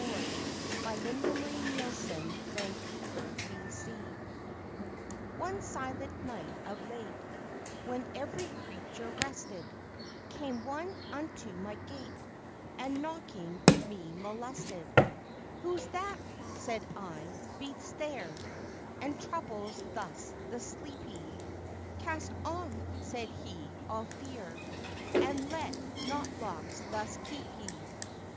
THE CHEAT OF CUPID; OR, THE UNGENTLE GUEST One silent night of late, When every creature rested, Came one unto my gate, And knocking, me molested. Who's that, said I, beats there, And troubles thus the sleepy? Cast off; said he, all fear, And let not locks thus keep ye.